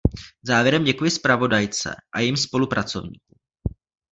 Závěrem děkuji zpravodajce a jejím spolupracovníkům.